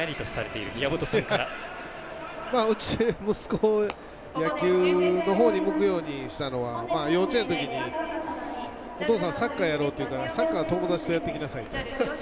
うちの息子野球のほうに向くようにしたのは幼稚園のときに、お父さんサッカーやろうって言うからサッカーは友達とやってきなさいと。